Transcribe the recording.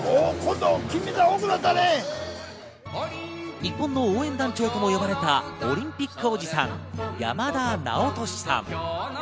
日本の応援団長とも呼ばれたオリンピックおじさん、山田直稔さん。